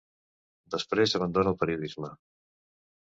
Després abandona el periodisme.